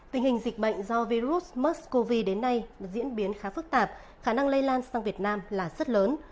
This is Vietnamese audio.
tình hình dịch bệnh do virus mers cov đến nay diễn biến khá phức tạp khả năng lây lan sang việt nam là rất lớn